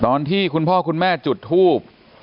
ตอนที่คุณพ่อคุณแม่จุดทูป